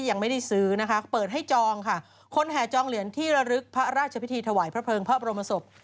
ยังไม่ได้ซื้อนะคะเปิดให้จองค่ะคนแห่จองเหรียญที่ระลึกพระราชพิธีถวายพระเพลิงพระบรมศพ